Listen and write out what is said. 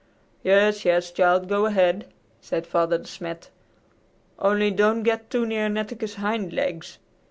"Yes, yes, child. Go ahead," said Father De Smet. "Only don't get too near Netteke's hind legs.